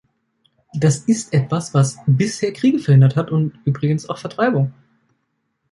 Das ist etwas, was bisher Kriege verhindert hat und übrigens auch Vertreibung.